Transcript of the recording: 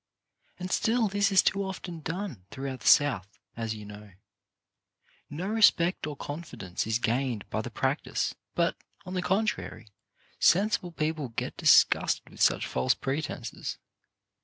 And still this is too oft.n done throughout the South, as you know. No respect or confi dence is gained by the practice, but, on the con trary, sensible people get disgusted with such false pretences.